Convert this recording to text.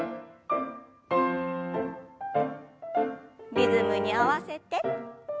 リズムに合わせて。